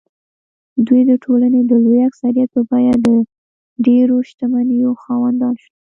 دوی د ټولنې د لوی اکثریت په بیه د ډېرو شتمنیو خاوندان شول.